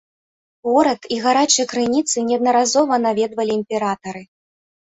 Горад і гарачыя крыніцы неаднаразова наведвалі імператары.